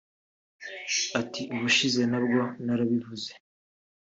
Ati “Ubushize nabwo narabivuze